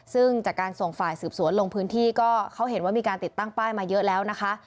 ซึ่งจากการส่งฝ่ายสืบสวนลงพื้นที่ก็เขาเห็นว่ามีการติดตั้งป้ายมาเยอะแล้วนะคะ